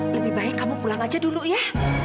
lebih baik kamu pulang aja dulu ya